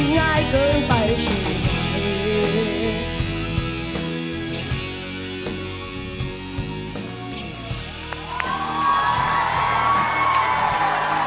มันง่ายเกินไปใช่ไหม